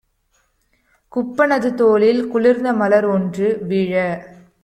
குப்பனது தோளில் குளிர்ந்தமலர் ஒன்றுவிழ